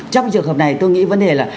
trong trường hợp này tôi nghĩ vấn đề là